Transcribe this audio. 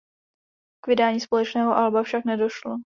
K vydání společného alba však nedošlo.